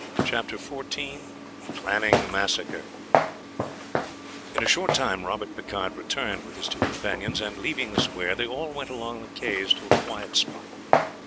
CHAPTER XIV PLANNING MASSACRE In a short time Robert Picard returned with his two companions, and leaving the square, they all went along the quays to a quiet spot.